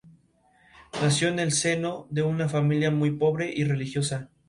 Sus padres eran dueños de un salón de peluquería, donde comenzó a trabajar.